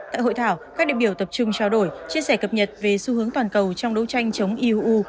tại hội thảo các địa biểu tập trung trao đổi chia sẻ cập nhật về xu hướng toàn cầu trong đấu tranh chống iuu